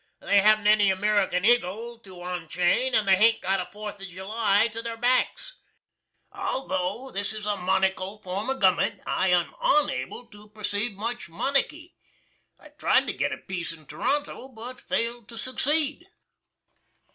They haven't any American Egil to onchain, and they hain't got a Fourth of July to their backs. Altho' this is a monikal form of Gov'ment, I am onable to perceeve much moniky. I tried to git a piece in Toronto, but failed to succeed.